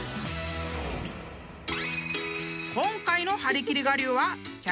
［今回のはりきり我流は］